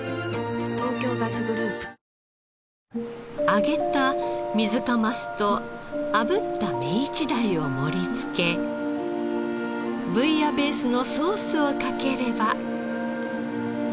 東京ガスグループ揚げたミズカマスとあぶったメイチダイを盛り付けブイヤベースのソースをかければ。